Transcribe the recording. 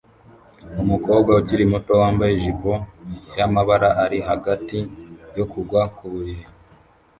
Umukobwa ukiri muto wambaye ijipo yamabara ari hagati yo kugwa kuburiri